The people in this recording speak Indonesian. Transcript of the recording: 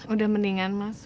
udah mendingan mas